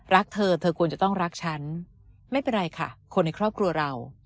รักเธอเธอควรจะต้องรักฉันไม่เป็นไรค่ะคนในครอบครัวเรา